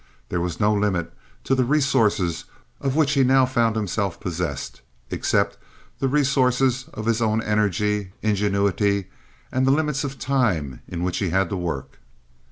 There was no limit to the resources of which he now found himself possessed, except the resources of his own energy, ingenuity, and the limits of time in which he had to work.